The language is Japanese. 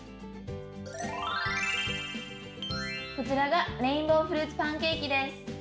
こちらがレインボーフルーツパンケーキです。